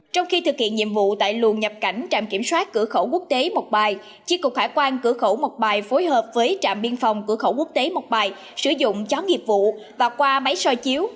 trong khi thực hiện nhiệm vụ tại luồng nhập cảnh trạm kiểm soát cửa khẩu quốc tế mộc bài tri cục hải quan cửa khẩu mộc bài phối hợp với trạm biên phòng cửa khẩu quốc tế mộc bài sử dụng chó nghiệp vụ và qua máy so chiếu